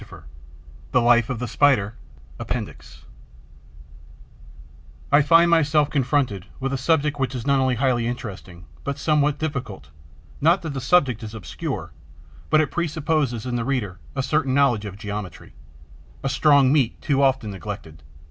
APPENDIX: THE GEOMETRY OF THE EPEIRA'S WEB I find myself confronted with a subject which is not only highly interesting, but somewhat difficult: not that the subject is obscure; but it presupposes in the reader a certain knowledge of geometry: a strong meat too often neglected.